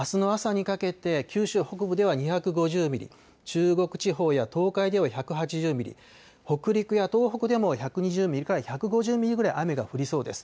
あすの朝にかけて九州北部では２５０ミリ、中国地方や東海では１８０ミリ、北陸や東北でも１２０ミリから１５０ミリぐらい雨が降りそうです。